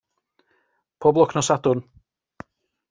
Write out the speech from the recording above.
Pob lwc nos Sadwrn.